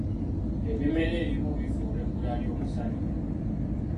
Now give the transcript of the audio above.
Ebimera ebimu bifa olw'ebbula ly'omusana.